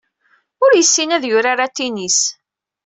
Ur yessin ad yurar atennis.